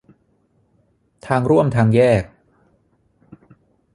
ทางร่วมทางแยก